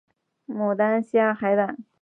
牡丹虾海胆